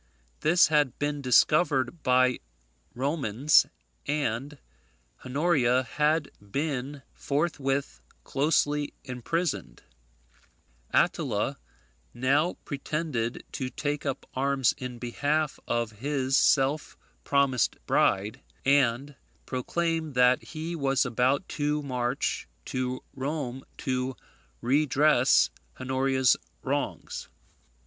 This had been discovered by Romans, and Honoria had been forthwith closely imprisoned, Attila now pretended to take up arms in behalf of his self promised bride, and proclaimed that he was about to march to Rome to redress Honoria's wrongs.